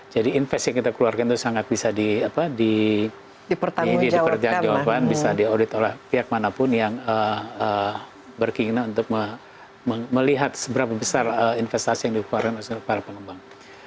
jadi investasi yang kita keluarkan itu sangat bisa di pertanggung jawabkan bisa di audit oleh pihak manapun yang berkinginan untuk melihat seberapa besar investasi yang dikeluarkan oleh para pengembang